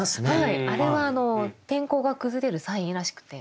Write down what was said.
あれは天候が崩れるサインらしくて。